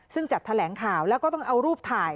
ซึ่งจัดแถลงข่าวแล้วก็ต้องเอารูปถ่าย